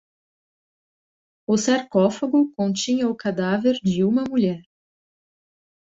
O sarcófago continha o cadáver de uma mulher.